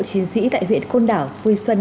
chiến sĩ tại huyện côn đảo vui xuân